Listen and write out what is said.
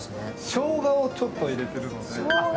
しょうがをちょっと入れてるので。